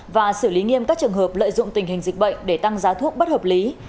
và xử lý nghiêm các trường hợp lợi dụng tình hình dịch bệnh để tăng giá thuốc bất hợp lý